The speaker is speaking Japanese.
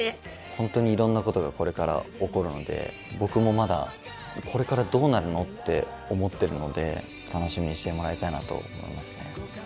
本当にいろんなことがこれから起こるので僕もまだこれからどうなるのって思ってるので楽しみにしてもらいたいなと思いますね。